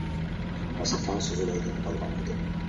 راست، تاڭ سۈزۈلەي دەپ قالغان ئىدى.